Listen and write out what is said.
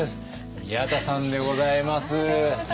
宮田さんでございます。